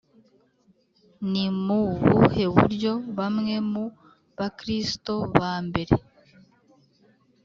Ni mu buhe buryo bamwe mu Bakristo ba mbere